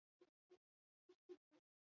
Ez zegoen komediarik, dena dramatikoa zen.